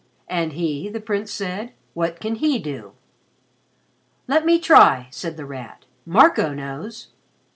"And he?" the Prince said. "What can he do?" "Let me try," said The Rat. "Marco knows."